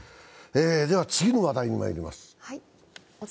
では次の話題にまいります。